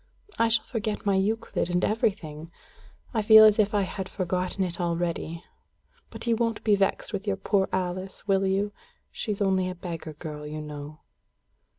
I shall forget my Euclid and everything. I feel as if I had forgotten it all already. But you won't be vexed with your poor Alice, will you? She's only a beggar girl, you know."